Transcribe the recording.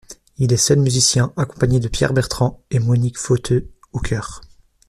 Il y est seul musicien, accompagné de Pierre Bertrand et Monique Fauteux aux chœurs.